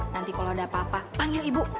nanti kalau ada apa apa panggil ibu